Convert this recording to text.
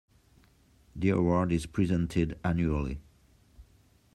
The award is presented annually.